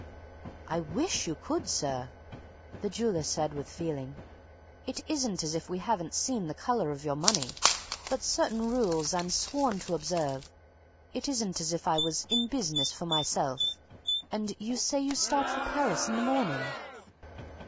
"I wish you could, sir," the jeweller said, with feeling. "It isn't as if we hadn't seen the color of your money. But certain rules I'm sworn to observe; it isn't as if I was in business for myself; and—you say you start for Paris in the morning!"